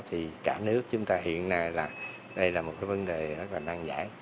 thì cả nước chúng ta hiện nay là đây là một cái vấn đề rất là nan giải